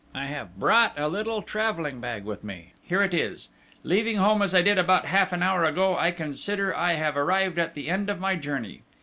I have brought a little travelling bag with me: here it is! Leaving home as I did about half an hour ago, I consider I have arrived at the end of my journey!...